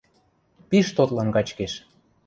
Пиш тотлын качкеш.